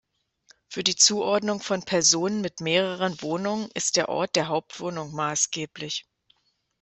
Für die Zuordnung von Personen mit mehreren Wohnungen ist der Ort der Hauptwohnung maßgeblich.